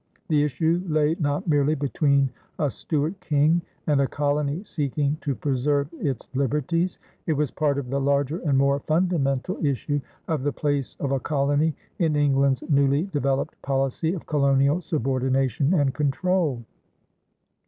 The issue lay not merely between a Stuart King and a colony seeking to preserve its liberties; it was part of the larger and more fundamental issue of the place of a colony in England's newly developed policy of colonial subordination and control.